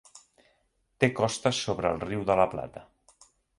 Té costes sobre el Riu de la Plata.